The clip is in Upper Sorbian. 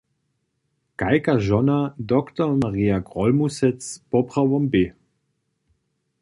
Kajka žona dr. Marja Grólmusec poprawom bě?